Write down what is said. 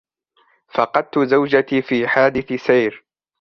فقدت زوجتي في حادث سير.